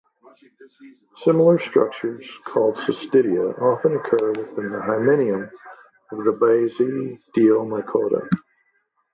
Similar structures called cystidia often occur within the hymenium of the Basidiomycota.